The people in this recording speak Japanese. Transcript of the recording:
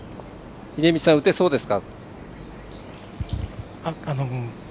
秀道さん、打てそうですか。